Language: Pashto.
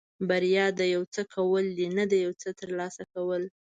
بریا د یو څه کول دي نه د یو څه ترلاسه کول.